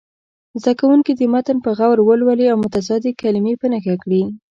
زده کوونکي دې متن په غور ولولي او متضادې کلمې په نښه کړي.